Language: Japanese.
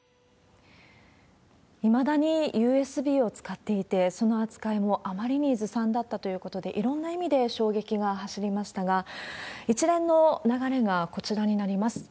いまだにＵＳＢを使っていて、その扱いもあまりにずさんだったということで、いろんな意味で衝撃が走りましたが、一連の流れがこちらになります。